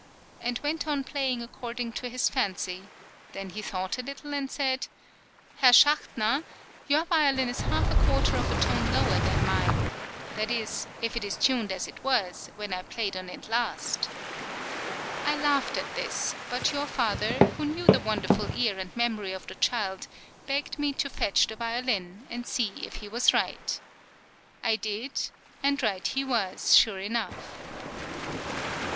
and went on playing according to his fancy; then he thought a little and said: "Herr Schachtner, your violin is half a quarter of a tone lower than mine, that is, if it is tuned as it was, when I played on it last." I laughed at this, but your father, who knew the wonderful ear and memory of the child, begged me to fetch the violin, and see if he was right. I did, and right he was, sure enough!